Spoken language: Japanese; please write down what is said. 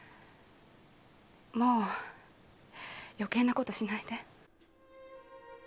もう余計なことしないで。